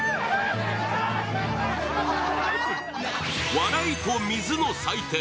「笑いと水の祭典！